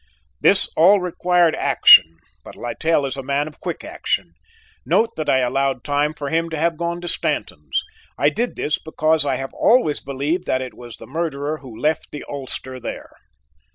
"This all required action, but Littell is a man of quick action. Note that I allowed time for him to have gone to Stanton's. I did this because I have always believed that it was the murderer who left the ulster there.